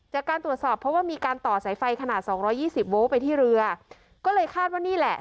จากการตรวจสอบเพราะว่ามีการต่อสายไฟขนาดสองร้อยยี่สิบโวลต์ไปที่เรือก็เลยคาดว่านี่แหละ